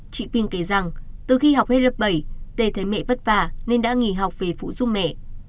chị pin kể rằng từ khi học hết lớp bảy tê thấy mẹ bất vả nên đã nghỉ học về phụ giúp mẹ